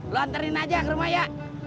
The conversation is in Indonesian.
lu anterin aja ke rumah ya